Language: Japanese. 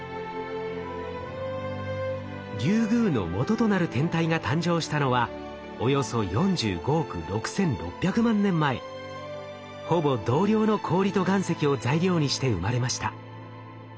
リュウグウのもととなる天体が誕生したのはほぼ同量の氷と岩石を材料にして生まれました。